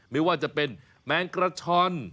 ไม่ว่าจะเป็นแมงกระชอน